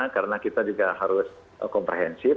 karena kita juga harus komprehensif